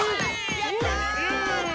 やったー！